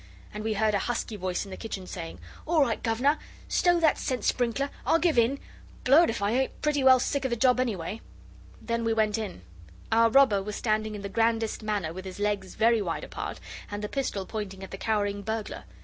And we heard a husky voice in the kitchen saying 'All right, governor! Stow that scent sprinkler. I'll give in. Blowed if I ain't pretty well sick of the job, anyway.' Then we went in. Our robber was standing in the grandest manner with his legs very wide apart, and the pistol pointing at the cowering burglar.